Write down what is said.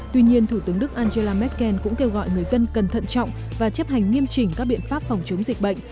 tuy nhiên thủ tướng đức angela merkel cũng kêu gọi người dân cần thận trọng và chấp hành nghiêm chỉnh các biện pháp phòng chống dịch bệnh